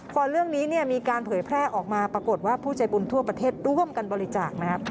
พอเรื่องนี้มีการเผยแพร่ออกมาปรากฏว่าผู้ใจบุญทั่วประเทศร่วมกันบริจาคนะครับ